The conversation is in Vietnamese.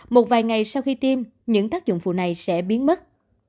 một vài ngày sau khi tiêm những tác dụng phụ này sẽ biến mất